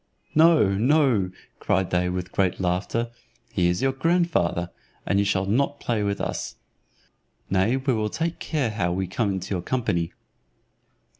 "No, no," cried they with great laughter, "he is your grandfather, and you shall not play with us. Nay we will take care how we come into your company."